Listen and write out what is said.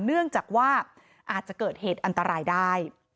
เนื่องจากว่าอาจจะเกิดเหตุอันตรายได้